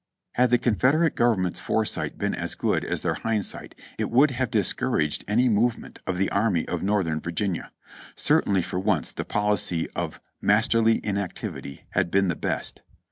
Had the Confederate Government's foresight been as good as their hindsight it would have discouraged any move ment of the Army of Northern Virginia. Certainly for once the policy of "masterly inactivity" had been the best.